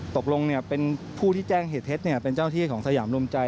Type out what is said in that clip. ตกลงเป็นผู้ที่แจ้งเหตุเท็จเป็นเจ้าที่ของสยามรวมใจ